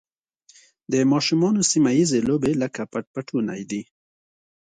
د ماشومانو سیمه ییزې لوبې لکه پټ پټونی دي.